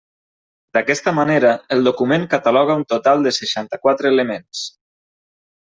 D'aquesta manera, el document cataloga un total de seixanta-quatre elements.